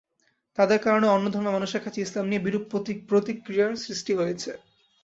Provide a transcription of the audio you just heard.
তাদের কারণে অন্য ধর্মের মানুষের কাছে ইসলাম নিয়ে বিরূপ প্রতিক্রিয়ার সৃষ্টি হয়েছে।